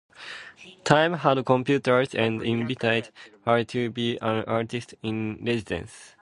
Time had computers, and invited her to be an Artist in Residence.